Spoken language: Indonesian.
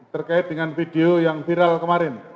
terkait dengan video yang viral kemarin